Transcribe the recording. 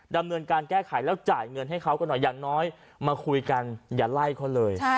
ดำเนินการแก้ไขแล้วจ่ายเงินให้เขาก็หน่อยอย่างน้อยมาคุยกันอย่าไล่เขาเลย